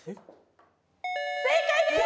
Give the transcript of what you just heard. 正解です！